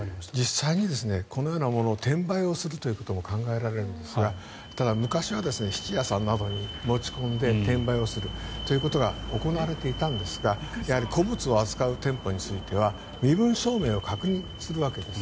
実際にこのようなものを転売するということも考えられるんですがただ、昔は質屋さんなどに持ち込んで転売をするということが行われていたんですが古物を扱う店舗については身分証明を確認するわけです。